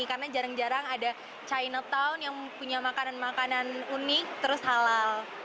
karena jarang jarang ada chinatown yang punya makanan makanan unik terus halal